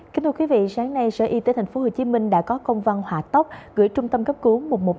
kính thưa quý vị sáng nay sở y tế tp hcm đã có công văn hòa tóc gửi trung tâm cấp cứu một một năm